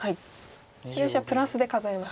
白石はプラスで数えますね。